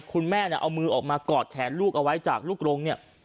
คุณแม่เอามือออกมากอดแขนลูกเอาไว้จากลูกลง